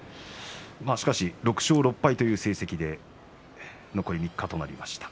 しかし６勝６敗という成績で残り３日となりました。